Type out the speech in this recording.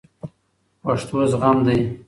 پښتو زغم دی